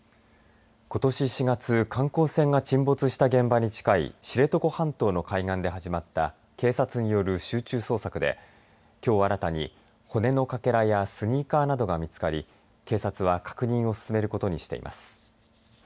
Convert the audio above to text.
ことし４月、観光船が沈没した事故現場に近い知床半島の海岸で始まった警察による集中捜索できょう新たに、骨のかけらやスニーカーなどが見つかり警察は確認を進めることにしています。